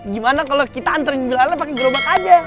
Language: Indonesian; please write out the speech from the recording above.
gimana kalo kita anterin bilalnya pake gerobak aja